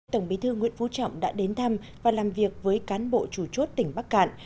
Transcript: tổng bí thư nguyễn phú trọng đã đến thăm và làm việc với cán bộ chủ chốt tỉnh bắc cạn